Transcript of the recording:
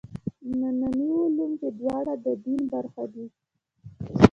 ننني علوم چې دواړه د دین برخه دي.